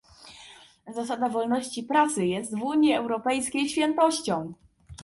Zasada wolności prasy jest w Unii Europejskiej świętością